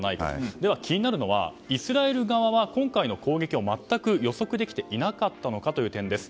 では気になるのはイスラエル側は今回の攻撃を全く予測できていなかったのかという点です。